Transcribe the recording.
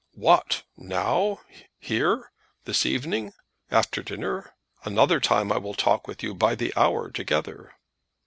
"What! now! here! this evening! after dinner? Another time I will talk with you by the hour together."